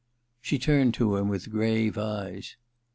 She turned to him with grave eyes.